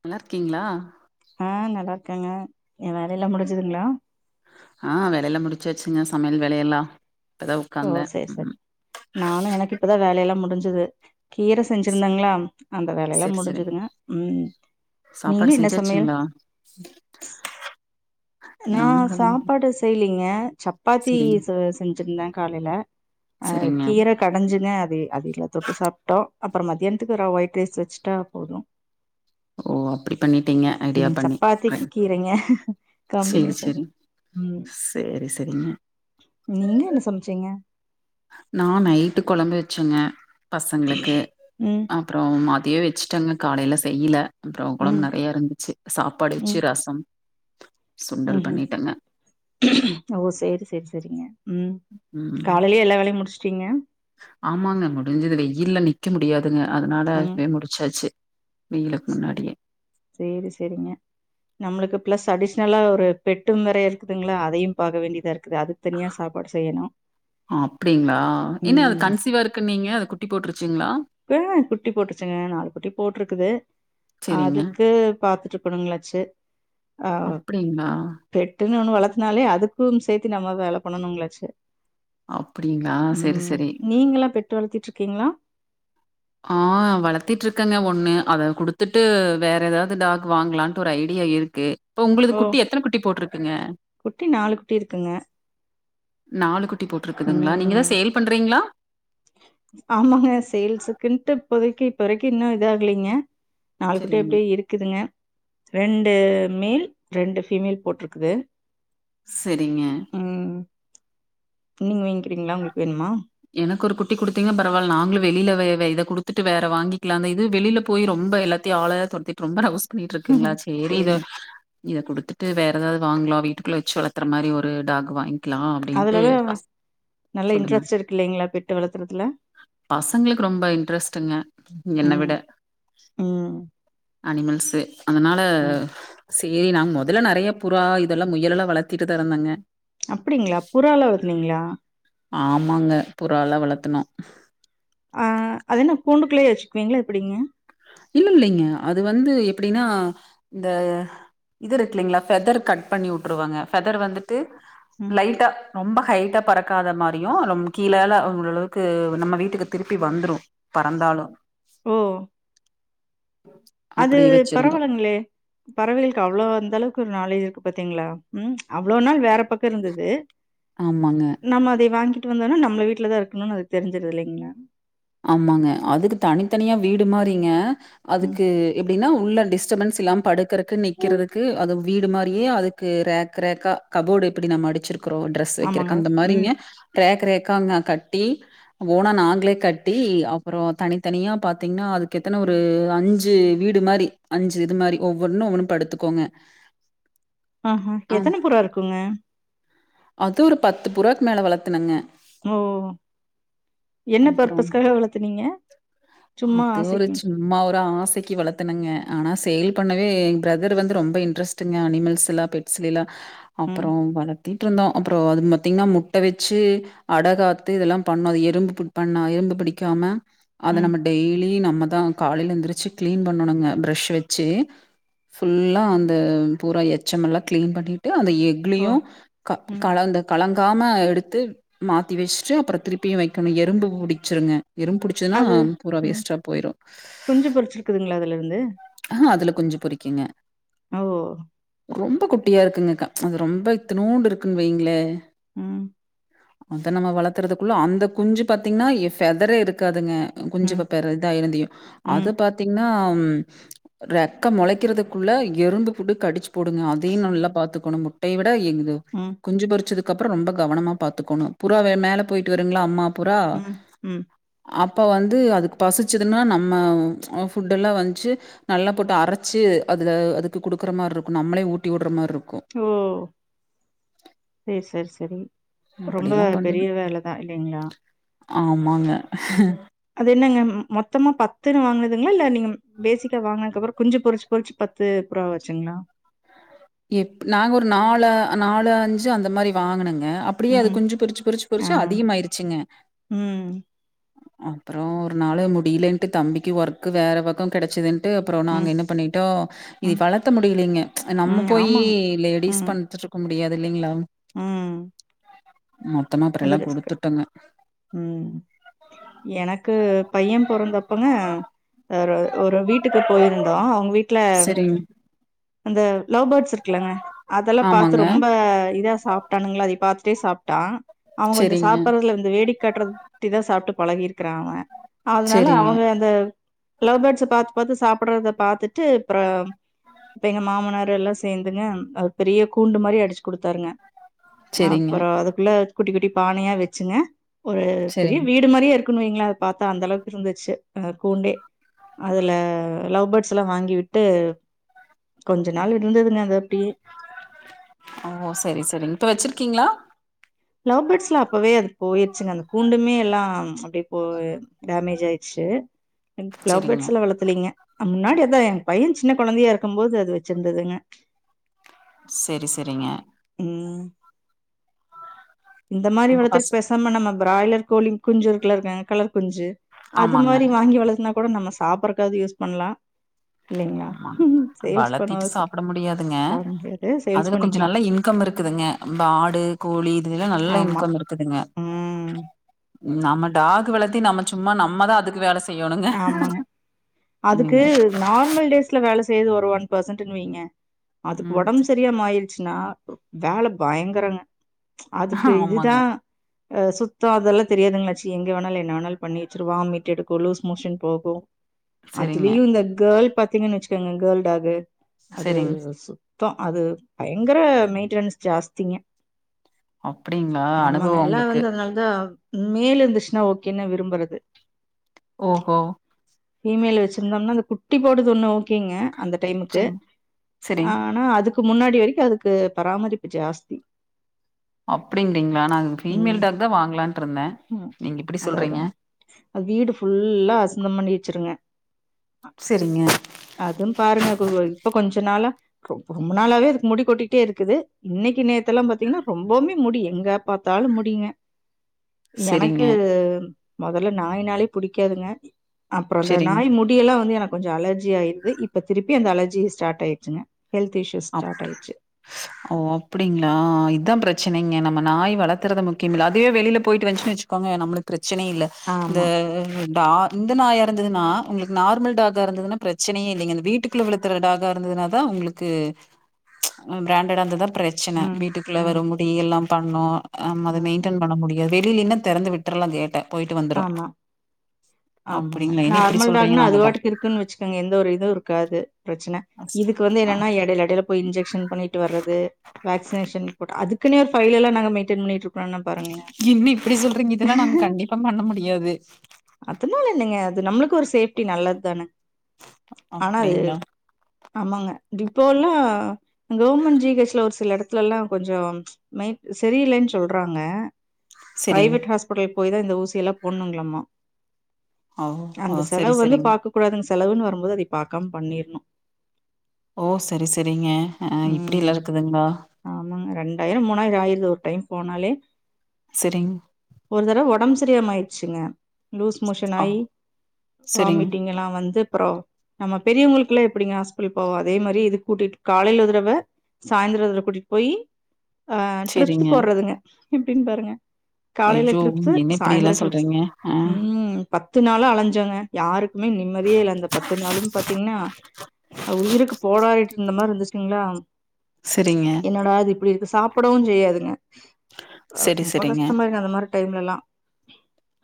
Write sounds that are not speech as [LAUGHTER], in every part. நல்லா இருக்கீங்களா ஆஹ் நல்லா இருக்கேங்க எ வேலயெலாம் முடிஞ்சுதுங்களா ஆஹ் வேலயல்ல முடிச்சாச்சுங்க சமயல் விலய எலாம் ஓ சேர் செரி நானும்எனக்கு இப்ப தான் வேலயெலாம் முடிஞ்சு இது கீர செஞ்சிருந்தாங்களா அந்த வேலய எலாம் செரி செரி முடிஞ்சுதுங்க நீயு சாப்பாடு என்ன சமயல் செஞ்சாச்சுங்களா நான் நாங்க வந்து சாப்பாடு செய்லீங்க சப்பாத்தி செரிங் செஞ்சிருந்தேன் காலயிலா ஹ செரிங்க கீர கடஞ்சுங்க [UNINTELLIGIBLE] அதுல தொட்டு சாப்பிட்டோம் அப்பறம் மத்தியானத்துக்கு ஒயிட் ரைஸ் வச்சுட்டா போதும் ஓ அப்படி பண்ணிட்டீங்க ஐடியா ம் பண்ணி. சப்பாத்திக்கு கீரைங்க செரி காம்பினேஷன் செரி உம் செரி செரிங்க நீங்க என்ன சமைச்சீங்க. நா நைட்டு குழம்பு வச்சேங்க. பசங்களுக்கு ம் அப்புறோ மாத். என்னத்தியோ வச்சுட்டாங்க காலையில செய்யல்ல. அப்புறோ குழம்பு ம் நறைய இருந்துச்சு சாப்பாடு வச்சு ரசம். சுண்டல் உஹம் பண்ணிட்டேங்க ஓ சேரி சேரி சேரிங்க உம். உம் ம் காலையிலயே எல்லா வேலையும் முடிச்சு. சரிங்க. ஆமாங்க முடிஞ்சதுல வெயில்ல நிக்க முடியாது. அதனாலவே முடுச்சாச்சு. சீசேர். சேரி சேரிங்க நம்மளுக்கு பிளஸ் அடிஷ். னல்லா ஒரு பெட்டும் வேற இருக்குதுங்களா அதையும் பாக்க வேண்டியதாருக். கு அதுக்கு தனியா சாப்பாடு செய்யணு. அப்டிங்களா? என்ன அது உம் கன்சீவா இருக்குன்னீங்க? அது குட்டி போட்டுருச்சுங்களா? குட்டி போட்டுருச்சுங்க நாலு குட்டி போட்டுருக்குது. சரிங்க. அதுக்கு பாத்துட்டு இருக்கணுங்களாச்சு ஆஹ அப்டிங்களா? பெட். துன்னு ஒண்ணு வளத்துனாலே அதுக்கும் சேர்த்தி நம்ம வேல பண்ணணும்ங்களாச்சே. அப்டிங்களா? சரி, உம் சரி. நீங்களாம் பெட்டு வளத்திட்டு. ஓகேங்களா. ஆஹ வளத்திட்டு இருக்கேங்க ஒண்ணு அத குடுத்துட்டு வேற எதாவது டாக் வாங்கலான்ட்டு ஒரு ஐடியா இருக்கு. இப்ப உங்களது ஓ குட்டி எத்தன குட்டி போட்டிருக்குங்க. குட்டி நாலு குட்டி இருக்குங்க நாலு குட். டி போட்டுருக்குதுங்களா நீங்க எதா ம் சேல் பண்றீங்களா. இட் இப்போதைக்கு இப்போ வரைக்கும் இன்னும் இது ஆகலீங்க. நாலு குட்டு சரிங்க, எப்படி இருக்குதுங்க ரெண்டு. மேல் ரெண்டு ஃபீமேல் போட்டிருக்குது. சேரிங்க. ம். நீங்க வாங்கிக்கிறீங்களா உங்களுக்கு வேணுமா. எனக்கு ஒரு குட்டி குடுத்தீங்கனா பரவால்ல நாங்களும் வெளியில வே இத குடுத்துட்டு வேற வாங்கிக்கலாங்க இது வெளியில போய் ரொம்ப எல்லாத்தையும் ஆள தொரத்திட்டு ரொம்ப ரவுஸ். பண்ணிட்டு இருக்குங்களா சேரி இத. சரிங்க. இத குடுத்துட்டு வேற ஏதாவது வாங்கலா வீட்டுக்குள்ள வச்சு வளத்தற மாரி ஒரு டாகு வாங்கி. க்குலா அப்படின்ட்டு. அதுலலாம் நல்ல சொல்லுங்க. இன்ட்ரெஸ்ட் இருக்கு இல்லைங்களா? பெட் வளர்த்துறதுல? பசங்களுக்கு ரொம்ப இன்ட்ரெஸ்டுங்க என்ன விட. ம். ம். அனிமல்சு. அதனால ம். சேரி நாங்க முதல்ல நிறைய புறா இதெல்லாம் முயல்லல்லாம் வளர்த்திட்டுர்ந்தேங்க அப்படிங்களா புறா ல வளத்துனீங்களா ஆமாங்க புறாலாம் வளர்த்தனும் ஆஹ் அதன கூண்டுக்குள்ளேயே வச்சுக்குவீங்களா எப்படிங்க இல்ல இல்லைங்க அது வந்து எப்படின்னா இந்த இது இருக்குலைங்களா ஃபெதர் கட் பண்ணி விட்டுருவாங்க ஃபெதர் வந்துட்டு ம். லைட ரொம்ப ஹைட்டா பறக்காத மாரியும் ரொம்ப கீழல அந்த அளவுக்கு நம்ம வீட்டுக்கு திருப்பி வந்துரும் பறந்தாலும் ஓ அது அப்டி வச்சிருந்தோ பரவலங்களே பறவைகளுக்கு அவ்வளவு அந்த அளவுக்கு ஒரு நாளே இருக்கு பாத்தீங்களா அவ்வளவு நாள் வேற ப இருந்தது ஆமாங்க, நம்ம அதை வாங்கி ட்டு வந்தோனா நம்ப வீட்டுல தான் இருக்கணும்னு அது தெரிஞ்சது இல்லைங்களா ஆமாங்க அதுக்கு தனித்தனியா வீடு மாறிங்க ம். அதுக்கு எப்படின்னா உள்ள டிஸ்டபன்ஸ் இல்லாம படுக்கறக்கு நிக்கிறதுக்கு அது வீடு மாதிரியே அதுக்கு ரேக் ரேக்கா கபோர்டு எப்படி நம்ம அடிச்சிருக் டிரெஸ் ஆமாங்க. வைக்க அந்த ம். மாதிரிங்க ரேக்காங்க கட்டி போனா நாங்களே கட் ட்டி அப்பறம் தனித்தனியா பாத்தீங்கன்னா அதுக்க ஏத்தன ஒரு அஞ்சு வீடு மாரி அஞ்சு இது மாரி ஒவ்வொன்னு ஒவ்வொன்னுல படுத்துக்கோங்க ஆஹ்ஹ ஆம். எத்தன புறா இருக்குங்க அது ஒரு பத்து புறாக்கு மேல வளர்த்துனுங்க ஓ! என்ன அப்பறம் பர்பஸ்க்காக வளத்துனீங்க? சும்மா அது ஒரு ஆசைக்கு சும்மா ஒரு ஆசைக்கு வளர்த்தணுங்க ஆனா சேல் பண்ணவே எங்கள் பிரதர் வ ரொம்ப இன்ட்ரெஸ்டுங்க அனிமல்ஸ்லா பெட்ஸ்லல்லா ம், அப்பறம் வள தீட்டுருந்தோம் அப்பறம் அது பாத்திங்கன்னா முட்ட வச்சு அடகாத்து இதெல்லாம் பண்ணோம் அது எறும்பு பிட் பண்ண எறும்பு பிடிக்காம அது ம். நம்ம டெய்லி நம் நம்மதான் காலையில எந்திரிச்சு கிளீன் பண்ணனுங்க பரஷ் வச்சு ஃபுல்லாக அந்த பூரா எச்எம் எல்லாம் ஆ கிளீன் பண்ணி ஏ அந்த ஓ! எக்லுலயும் ம். கால அந்த கலங்காம எடுத்து மாத்தி வச்சுட்டு அப்பறம் திருப்பியும் வைக்கிணும் எறும்பு புடிச்சிருங்க எறும்பு புடிச்சதுன்னா அது பூரா உம் வேஸ்ட்டா போயிரும். குஞ்சி பொறிச்சிருக்குதுங்களா அதுல இருந்து ஆ அதுல குஞ்சி பொரிக்குங்க ஓ! ரொம்ப குட்டியா இருக்குங்கக்கா அது ரொம்ப இத்தனூண்டு இருக்குன்னு வைங்களே உம் அத நம்ம வளர்த்துறதுக்குள்ள அந்த குஞ்சு பாத்தீங்கன்னா ஃபெதரே இருக்காதுங்க குஞ்சிக ம், பெற இதா இருந்தியும் அது ம், பாத்தீங்கன்னா ஆம் ரெக்க மொளைக்கிறதுக்குள்ள எறும்பு புட்டு கடிச்சு பூடுங்க அதையும் நல்லா பாத்து குணு முட்டை விட எங்கதோ ம், ம், குஞ்சு பொறிச்சிது அதுக்கப்றோம் ரொம்ப கவனமா பாத்துக்கணும் புறாவ மேல போயிட்டு வருங்களா அம்மா புறா அப் ம், ம். அப்போ வந்து அதுக்கு பசிச்சதுன்னா நம்ம ஃபுட்டெல்லாம் வந்ச்சு நல்லா போட்டு அரச்சி அதுல அதுக்கு குடுக்குற மார்ருக்கும் நம்ளே ஊட்டி வுட்ற மாரி இருக்கும் ஓ செரி செரி செரி ரொம்ப அப்படிலாம் பெரிய பண்ணிரும் வேல தான் இல்லைங்களா ஆமாங்க அது என்னங்க மொத்தமா பத்துன்னு வாங்கினதுங்களா இல்ல நீங்க பேசிக்கா வாங்கனதுக்கப்புறம் குஞ்சு பொறிச்சு பொறிச்சு பத்து புறாவாச்சுங்களா எப் நாங்க ஒரு நாலு நாலு அஞ்சு அந்த மாரி வாங்கனுங்க அப்டியே அது ம். குஞ்சி பொறிச்சு பொறிச்சு ஆ. பொறிச்சு அதிகமாயிருச்சுங்க ம், அப்புறோம் ஒரு நாள் முடியலன்ட்டு தம்பிக்கு ஒர்க் வேற பக்கம் கெடச்சதுன் வந்து அப்புறோம் நாங்க ம், என்ன பண்ணிட்டோம் இ ம், வளத்த முடியிலிங்க ச்சி நம்ம ம். ஹே ஆமாங்க. லேடிஸ் பண்துருக்கும் முடியாது இல்லிங்களா உம் மொத்தமா அப்புறம் அது எல்லாம் ரிஸ்கு குடுத்துட்டோங்க. உம் எனக்கு பையன் பொறந்தப்பங்க ஒரு ஒரு வீட்டுக்கு போயிருந்தோம் அவுங்க வீட்ல சரிங்க. அந்த லவ் பேர்ட்ஸ் இருக்குங்கல்லா அதெல்லாம் ஆமாங்க. பார்த்து ரொம்ப இதா சாப்ப பனுங்களா அத பாத்துட்டே சாப்ட்டான் அவகொஞ்சம் சரிங்க, சாப்டடுறதுல வந்து வேடிக் காட்டுறட்டி தான் சாப்ட்டு பழகிருக்கிறா அவன் அதனால சரிங்க, அவங்க அந்த லவ் பேர்ட்ஸ் அ பாத்து பாத்து சாப்பிடுறத பாார்த்துட்டு அப்புறம் இப்ப எங்க மாமனார் எல்லாம் சேர்ந்துங்க அ பெரிய கூண்டு மாரி அடிச்சு குடுத்தாருங்க சரிங்க, அப்புறம் அதுக்குள்ள குட்டி குட்டி பானையா வச்சுங்க ஒரு பெரிய சரிங்க. வீடு மாரியே இருக்கு இருக்குன்னு வைங்களேன் அநத பார்த்தா அந்த அளவுக்கு இருந்துச்சு அந்த கூண்டே அதுல லவ்பேர்ட்ஸ் எல்லாம் வாங்கி விட்டு கொஞ்ச நாள் இருந்ததுங்க அது அப்படியே ஓ சரி சரிங்க இப்ப வச்சிருக்கீங்களா லவ் பேர்ட்ஸ் எலாம் அப்பவே அது போயிருச்சுங்க அந்த கூண்டுமே எல்லாம் அப்படியே டேமேஜ் ஆயிடுச்சு லவ் சரிங்க. பேர்ட்ஸ் எலாம் வளத்தலீங்க முன்னாடி அதா எ பையன் சின்ன குழந்தையா இருக்கும்போது அது வச்சிருந்ததுங்க சரி சரி சரிங்க உம் இந்த மாதிரி உங்க பச வளத்துக்கு பேசாம நம்ம பிராய்லர் கோழி குஞ்சு இருக்குள்ளங்க கலர் குஞ்சு அது ஆமாங்க, மாதிரி வாங்கி வளதுனா கூட நம்ம சாப்பறக்காவது யூஸ் பண்ணலாம் ஆமா வளர்த்திட்டு சாப்பிட முடியாதுங்க சாப்ட முடியாது சேல்ஸ் அதுல கொஞ்சம் பண்ணிக்கலா நல்லா இன்கம் இருக்குதுங்க ஆடு கோழி இது இதுலாம் நல்ல ஆமா இன்கம் இருக்குதுங்க ம் நம்ம டாக் வளத்தி நம்ம சும்மா நம்மதான் அதுக்கு வேலை செய்ய ஆமாங்க அதுக்கு என்னங்க நார்மல் டேஸ் ல வேலை செய்றது ஒரு ஒன் பெர்சன்டுனுவைங்க அதுக்கு ம் உடம்பு சே சரியா மாயிரு ச்சுன்னா வேலை பயங்கரங்க அதுக்கு ஆமாங்க இதுதான் சுத்தம் அதெல்லாம் தெரியாதுங்களாச்சி எங்க வேனாலும் என்ன வேனாலும் பண்ணிவச்சிருவ வாமிட் எடுக்கும் லூஸ் மோஷன் போகும் செரிங்க அதுலயும் இந்த கேள் பத் பாத்தீங்கன்னு வச்சுக்கோங்க கேல்டா அது அது செரிங் ஒசு மொத்தம் அது பயங்கர மெயின்டெனன்ஸ் ஜாஸ்திங்க அப்படிங்களா அனுபவம் உங்களுக்கு மேல இருந்துச்சுன்னா ஓகேன்னா விரும்புறது ஓஹோ பீமேல் வச்சிருந்தோம்னா அந்த குட்டி போடுது ஒண்ணோ ஓகே க அந்த டைமுக்கு செரிங் செரிங் ஆனா அதுக் இதுக்கு முன்னாடி வரைக்கும் அதுக்கு பராமரிப்பு ஜாஸ்தி அப்படிங்களா நான் ம் ஃபீமேல் டாக் தான் வாங்கலான்ட்டு இருந்தேன் ம் நீங்க இப்படி அதா சொல்றீங்க அதாங்க அது வீடு ஃபுல்லா அசுந்தம் பண்ணி வச்சிருங்க சேரிங்க அதுவும் பாருங்க இப்ப கொஞ்ச நாள ரொ ரொம்ப நாளாவே அதுக்கு முடி கொட்டிட்டே இருக்குது இன்னைக்கு நேத்து எல்லாம் பாத்தீங்கன்னா ரொம்பவுமே முடி எங்க பார்த்தாலும் முடிங்க செரிங்க எனக்கு முதல்ல இல்ல நாய் இந்நாளே புடிக்காதுங்க அப்புறம் அந்த செரிங் நாய் முடியெல்லாம் வந்து எனக்கு கொஞ்சம் அலர்ஜி ஆயிருது இப்ப திருப்பி அந்த அலர்ஜி ஸ்டார்ட் ஆயிருச்சுங்க ஹெல்த் இஷ்யூஸ் ஸ்டார்ட் ஆயிடுச்சு அப்ப ஓ அப்படிங்களா இதான் பிரச்சனைய நம்ம நாய் வளர்க்கறது முக்கிமில்ல அதுவே வெளியில போயிட்டு வந்துச்சு வச்சுக்கோங்க நம்மளுக்கு பிரச்ச பிரச்சன இல்ல இந்த ஆமா டெ இந்த அட நாய்யா இருந்தா இருந்ததுனா உங்களுக்கு நார்மல் டாக்கா இருந்ததுன்னா பிரச்சனையே இல்லிங்க வீட்டுக்குள்ள வளத்துற டாக்கா இருந்தது தான் உங்களுக்கு பிராண்டட் இருந்தாதான் பிரச்சனை ம் வீட்டுக்குள்ளே ம் வரும் முடியெல்லாம் பண்ணும் ஆம்ம அத ம் மெயின்டன் பண்ண முடியாது வெளியிலன்னும் திறந்து விட்டுறலாம் கேட்ட போயிட்டு வந்துரு ஆமா ஆமாங்க அப்டிங்களா என்ன இப்டி நார்மல் சொல்றீங்க டாக்குனா அது நாங்க டா வாட்டுக்கு இருக்குன்னு வச்சுக்கோங்க எந்த ஒரு இதுவும் இருக்காது பிரச்சனை இதுக்கு வந்து ஆ என்னன்னா இடையில இடையில போய் இன்ஜக்க்ஷன் பண்ணிட்டு வர்ரது வேக்சினேஷன் போடுறது அதுக்குன்னே பைல் எல்லாம் மேனேஜ் பண்ணிட்டு இருக்கோம் இன்னும் இப்படி சொல்றீங்க இதெல்லாம் நாங்க கண்டிப்பா பண்ண மாட்டேம் முடியாது அதனால என்னங்க அது நம்மளுக்கு ஒரு சேஃப்டி நல்லது தானே ஆனா அது அப்டிங்களா ஆமாங்க இப்போ எல்லாம் கவர்மெண்ட் ஜிஹச்ல ஒரு சில இடத்துல எல்லாம் கொஞ்சம் சரியில்லைன்னு சொல்றாங்க செரிங் பிரைவேட் ஹாஸ்பிடல் போய்தான் இந்த ஊசியெல்லாம் போண்ணுங்களாமா ஓ ஓ அந்த செலவு செரி வந்து செரிங் பார்க்கூடாதுங்க சார் செலவுன்னு வரும்போது அத பார்க்காம பண்ணிடனும் ஓ சேரி சேரிங்க அஹ இப்படிலா ம். இருக்குதுங்களா ஆமாங்க ஆயிருது ஒரு டைம் போனாலே. சரிங். ஒரு தடவை ஒடம்புச தெரியாம ஆயிடுச்சிங்க லூஸ் மோஷன் ஆ ஆயி சரிங், வாமிட்டிங் லா வந்து அப்புறம் நம்ம பெரியவங்களுக்கு எல்லாம் எப்படிங்க ஹாஸ்பிட்டலக்கு போவோம் அதே மாரி இத கூட்டிட்டு காலையில ஒருதடவை சாய்ந்திர ஒருதடவ கூட்டிட்டு போயி ஆஹ சரிங்க. ட்ரிப்ஸ் போடுறதுங்க எப்புடினு பாருங்க காலையில ஐயோ ட்ரிப்ஸு, என்ன இப்படியெல்லா சொல்றீங்க ஆஹ் பத்து நாளா அலைஞ்சேங்க யாருக்குமே நிம்மதியே இல்ல அந்த பத்து நாளும் பாத்தீங்கன்னா அ உயிருக்கு போறாடிட்டு இருந்த மாரி இருந்துச்சிங்களா சரிங்க. என்னடா அது இப்படி இருக்கு சாப்பிடவு செய்யாதிங்க சரி, ரொம்ப சரிங்க. கஷ்டமா இருக்கு அந்த மாரி டைம்ல எல்லாம்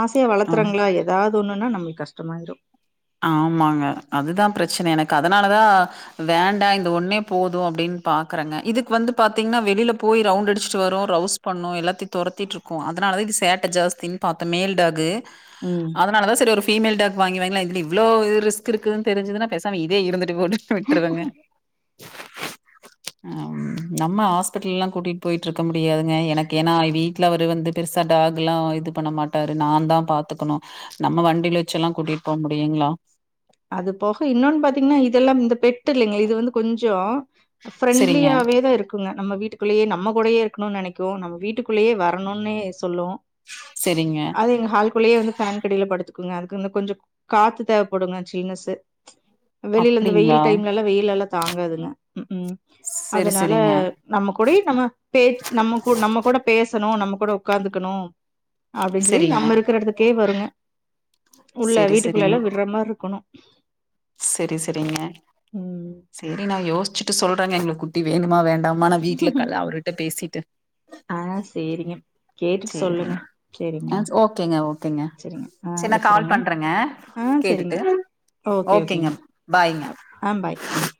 ஆசையா ஆ. வளர்த்துறங்களா ஏதா ஒண்ணுன்னா நமக்கு கஷ்டமாயிடு ஆமாங்க அதுதான் பிரச்சனை எனக்கு அதனாலதா வேண்டா இந்த ஒன்னே போதும் அப்படின்னு பாக்குறேங்க இதுக்கு வந்து பாத்தீங்கன்னா வெளியில போய் ரவுண்ட்டு அடிச்சிட்டு வரும் ரவுஸ் பண்ணு எல்லாத்தையும் தோரத்திட்டு இருக்கு அதனாலதா இது சேட்டை ஜாஸ்தின்னு பா்த்தோன் மேல்டாகு ம். அதனால தான் சேரி பிமேல்டாக் வாங்கி வாங்கி எப்டிம் இவலோ ரிஸ்க்கு இருக்குனு தெறிஞ்சுதுனா பேசாம இதே இருந்து வெட்டிப் போட்டு விட்றுவுங்க உம் நம்ம ஹாஸ்பிட்டல் லா கூட்டிட்டுப் போயிட்டு இருக் முடியாதுங்க எனக்கு ஏன்னா ஐ வி அவரு வந்து பெறுசா டாக்லா இது பண்ண மாட்டாரு நான் தான் பாத்துக்கணு நம்ப வண்டியில வெச்சில்லா கூட்டிட்டு போ ஏங்ளா அது போக இன்னொன்னு பாத்தீங்கனா இதெல்லாம் இந்த பெட் ட்டு இல்லைங்களா இது வந்து கொஞ்ச சரிங்க, ஃப்ரெண்ட்லியாவே தான் இருக்குங்க நம்ம வீட்டுக்குள்ளயே நம்ம கூடையே இருக் இப்பன்னா நனைக்கும் நம்ம வீட்டுக்குள்ளயே வரணுன்னு சொல்லும் சரிங்க. அது எங்க ஹால்குள்ளயே வந்து பேன்னுக்கு அடியிலே படுத்து ங்க அதுக்குங்க கொஞ்சோ காத்து தேவப்படுங்க ஜீனஸ்சு வெளில இந்த அப்டிங்களா? வெயில் டைம்ல எல்லாம் வெயிலலா தாங்காதுங்க உம் உம் சரி அதனால சரிங்க, நம்ப கூட நம்ப பே நம்ப நம்ப கூட பேச துணும் நம்ம கூட உட்காந்துக்கணும் அப்படின்னு சொல்லி சரிங்க. நம்ம இருக்கிற இடத்துக்கே வருங்க உள்ள வீட்டுக்குள்ள எல்லாம் விடுற மாரி இருக்கணும் [INAUDIBLE] சேரி சேரிங்க சேரி நான் யோசிச்சு சொல்றாங்க எங்களுக்கு குட்டி வேணுமா வேண் மான வீட்டுல இருக்கல்ல அவர்கிட்ட பேசிட்டு ஆஹ் சேரிங்க கேட்டுட்டு சொல்லுங்க சரிங்க. ஆ சேரிங்களா ஓகேங்க ஓகேங்க. சேரிங்க ஆஹ் சரி நான் கால் வச்சுறேங்க பண்றேங்க ஆஹ் சேரிங்ககே கேட்டுட்டு. ஓக் ஓகே ஓகேங்க ஆ பாய் ம்